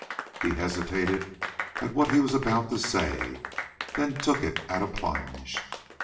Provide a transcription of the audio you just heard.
He hesitated at what he was about to say, then took it at a plunge.